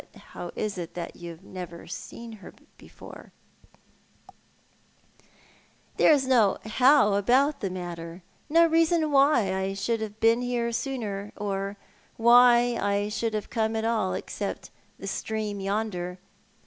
How is it that you have never bc:3n here before ?"" There is no ' how ' about the matter— no reason why I should have been here sooner, or why I should have come at all— except the stream yonder.